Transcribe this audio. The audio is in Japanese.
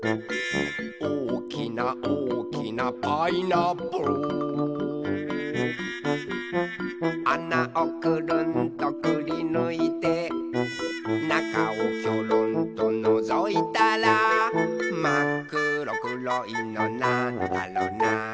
「おおきなおおきなパイナップル」「あなをくるんとくりぬいて」「なかをきょろんとのぞいたら」「まっくろくろいのなんだろな」